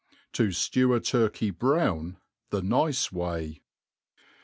To Jim a Turkey brown the nice way.